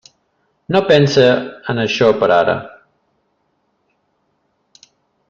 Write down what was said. No pense en això per ara.